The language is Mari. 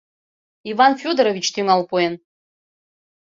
— Иван Фёдорович тӱҥал пуэн!